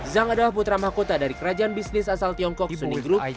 zhang adalah putra mahkota dari kerajaan bisnis asal tiongkok suni group